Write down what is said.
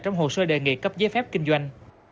trong hồ sơ đề nghị cấp giấy phép kinh doanh